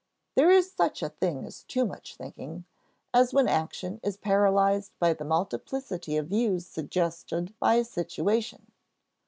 There is such a thing as too much thinking, as when action is paralyzed by the multiplicity of views suggested by a situation.